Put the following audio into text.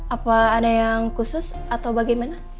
apa ada yang khusus atau bagaimana